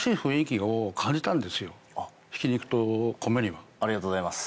なんかありがとうございます。